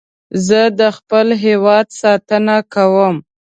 زه د خپل هېواد ساتنه کوم